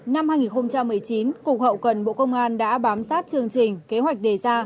năm hai nghìn một mươi chín cục hậu cần bộ công an đã bám sát chương trình kế hoạch đề ra